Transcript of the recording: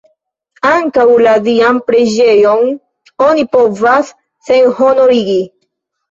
Ankaŭ la Dian preĝejon oni povas senhonorigi!